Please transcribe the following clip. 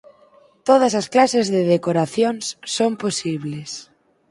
Todas as clases de decoracións son posibles.